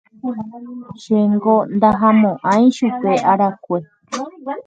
Chéngo ndahamo'ãi chupe arakue.